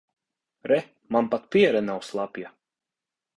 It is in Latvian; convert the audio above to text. Re, man pat piere nav slapja.